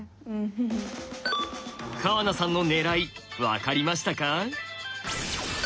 川名さんの狙い分かりましたか？